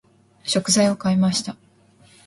食材を買いました。